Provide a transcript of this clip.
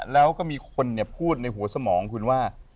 แล้วก็มีคนพูดในหัวสมองคุณว่า